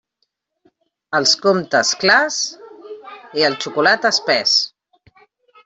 Els comptes, clars, i el xocolate, espés.